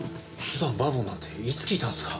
普段バーボンなんていつ聞いたんですか？